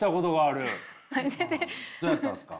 どうやったんですか？